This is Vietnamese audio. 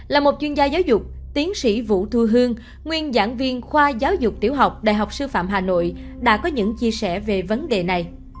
là một chuyên gia giáo dục tiến sĩ vũ thu hương nguyên giảng viên khoa giáo dục tiểu học đại học sư phạm hà nội đã có những chia sẻ về vấn đề này